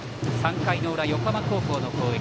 ３回の裏、横浜高校の攻撃。